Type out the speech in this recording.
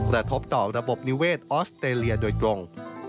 กระทบต่อระบบนิเวศออสเตรเลียโดยตรง